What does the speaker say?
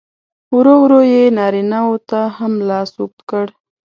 ورو ورو یې نارینه و ته هم لاس اوږد کړ.